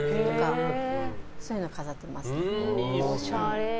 そういうのを飾ってますね。